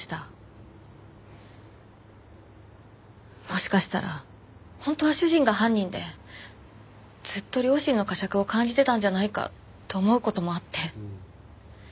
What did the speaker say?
もしかしたら本当は主人が犯人でずっと良心の呵責を感じてたんじゃないかと思う事もあって。